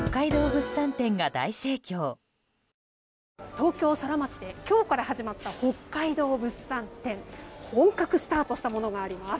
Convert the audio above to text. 東京ソラマチで今日から始まった北海道物産展で本格スタートしたものがあります